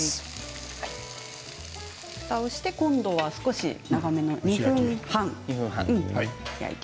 ふたをして今度は長めの２分半です。